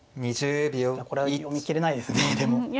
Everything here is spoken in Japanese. これは読み切れないですねでも。